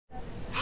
あ！